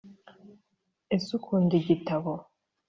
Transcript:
ese ukunda ikigitabo?